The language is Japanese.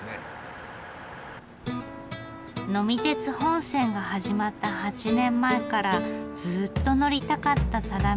「呑み鉄本線」が始まった８年前からずっと乗りたかった只見線。